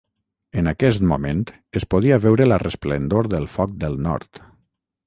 En aquest moment, es podia veure la resplendor del foc del nord.